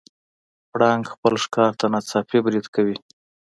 پړانګ خپل ښکار ته ناڅاپي برید کوي.